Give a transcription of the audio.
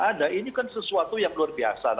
ada ini kan sesuatu yang luar biasa